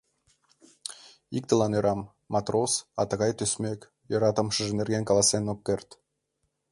— Иктылан ӧрам, матрос, а тыгай тӧсмӧк, йӧратымашыж нерген каласен ок керт.